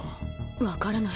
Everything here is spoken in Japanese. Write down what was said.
分からない。